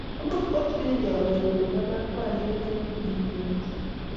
Amut kwatuye chorwennyu nepo lakwandit nekimenyei yotok